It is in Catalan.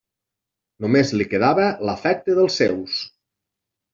Només li quedava l'afecte dels seus.